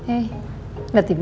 eh ngerti bu